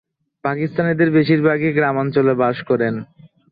পাকিস্তানিদের বেশিরভাগই গ্রামাঞ্চলে বাস করেন।